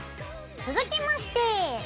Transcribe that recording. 続きまして！